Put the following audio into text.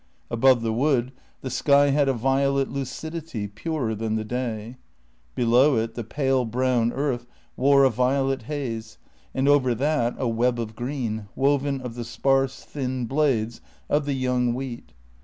Above the wood the sky had a violet lucidity, purer than the day; below it the pale brown earth wore a violet haze, and over that a web of green, woven of the sparse, thin blades of the young wheat.